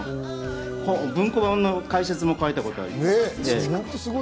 文庫本の解説も書いたことあります。